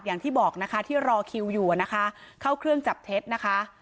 อย่างที่บอกนะคะที่รอคิวอยู่นะคะเข้าเครื่องจับเท็จนะคะ